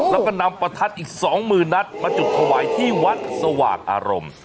ุแล้วก็นำประทัดอีกสองหมื่นนักมาจุดขวายที่วัดสวาคอารมณ์